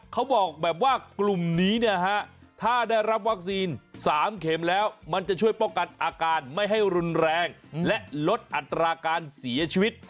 เขาบอกแบบว่ากลุ่มนี้เนี่ยฮะถ้าได้รับวัคซีน๓เข็มแล้วมันจะช่วยป้องกันอาการไม่ให้รุนแรงและลดอัตราการเสียชีวิต